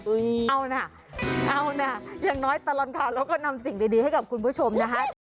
เอานะเอานะอย่างน้อยตลอดข่าวเราก็นำสิ่งดีให้กับคุณผู้ชมนะคะ